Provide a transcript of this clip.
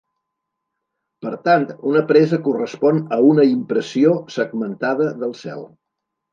Per tant una presa correspon a una "impressió" segmentada del cel.